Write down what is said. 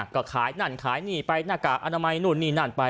ก็ขายนั่นขายนี่ไปนั่นไปนั่นไป